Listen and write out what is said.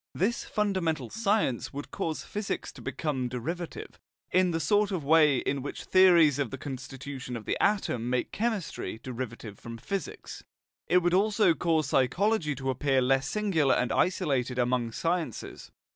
This fundamental science would cause physics to become derivative, in the sort of way in which theories of the constitution of the atom make chemistry derivative from physics; it would also cause psychology to appear less singular and isolated among sciences.